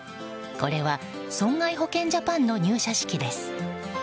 これは、損害保険ジャパンの入社式です。